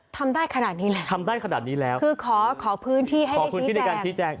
ทำได้ขนาดนี้แล้วคือขอพื้นที่ให้ชี้แจง